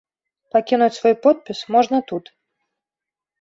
Пакінуць свой подпіс можна тут.